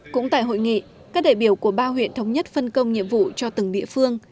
cũng tại hội nghị các đại biểu của ba huyện thống nhất phân công nhiệm vụ cho từng địa phương